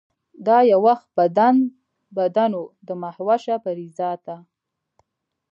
دا یو وخت بدن و د مهوشه پرې ذاته